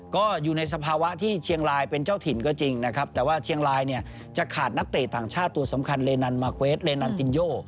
ก็อยู่ในสภาวะที่เชียงรายเป็นเจ้าถิ่นก็จริงนะครับแต่ว่าเชียงรายเนี่ยจะขาดนักเตะต่างชาติตัวสำคัญเลนันมาร์เกวทเลนันตินโย